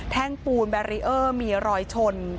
ปูนแบรีเออร์มีรอยชน